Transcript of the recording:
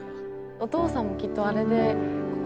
お父さんもきっとあれで。